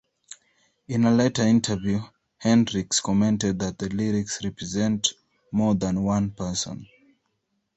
In a later interview, Hendrix commented that the lyrics represent "more than one person".